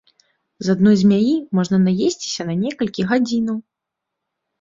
З адной змяі можна наесціся на некалькі гадзінаў!